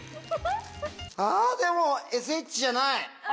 あでもＳＨじゃない。